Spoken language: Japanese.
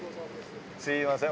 すみません